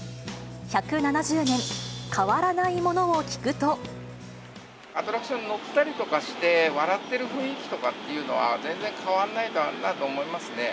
１７０年、変わらないものを聞くアトラクションに乗ったりとかして、笑っている雰囲気とかっていうのは、全然変わらないかなと思いますね。